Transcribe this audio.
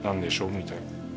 みたいな。